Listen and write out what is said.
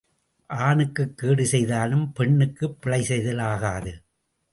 ஆணுக்குக் கேடு செய்தாலும் பெண்ணுக்குப் பிழை செய்தல் ஆகாது.